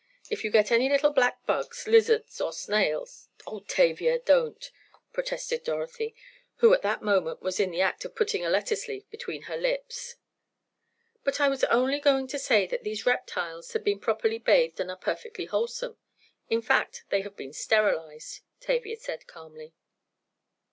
If you get any little black bugs—lizards or snails—" "Oh, Tavia, don't!" protested Dorothy, who at that moment was in the act of putting a lettuce leaf between her lips. "But I was only going to say that these reptiles had been properly bathed and are perfectly wholesome. In fact they have been sterilized," Tavia said, calmly.